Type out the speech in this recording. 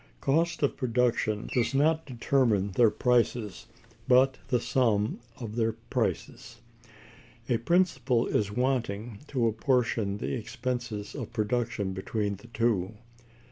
Cost of production does not determine their prices, but the sum of their prices. A principle is wanting to apportion the expenses of production between the two.